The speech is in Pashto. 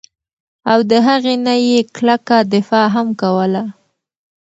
او د هغې نه ئي کلکه دفاع هم کوله